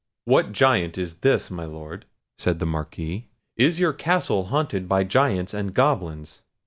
"What Giant is this, my Lord?" said the Marquis; "is your castle haunted by giants and goblins?"